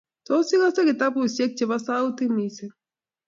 Tos, igase kitabushekab chebo sautit missing ?